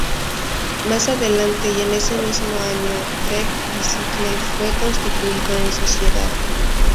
Más adelante, y en ese mismo año, Trek Bicycle fue constituido en sociedad.